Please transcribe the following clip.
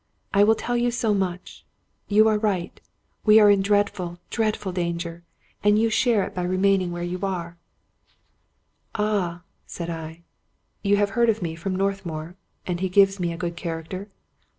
I will tell you so much; you are right; we are in dreadful, dreadful dan ger, and you share it by remaining where you are." 173 Scotch Mystery Stories " Ah! " said I; " you have heard of me from Northmour? And he gives me a good character?